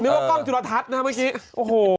ว่ากล้องจุลทัศน์นะครับเมื่อกี้โอ้โห